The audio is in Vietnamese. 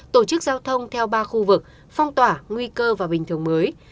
tổ chức giao thông theo ba khu vực phong tỏa nguy cơ và bình thường mới